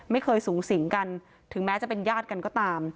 ไม่เคยสูงสิงกันถึงแม้จะเป็นญาติกันก็ตาม